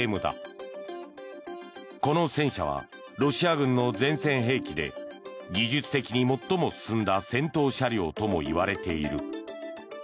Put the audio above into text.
この戦車はロシア軍の前線兵器で技術的に最も進んだ戦闘車両ともいわれている。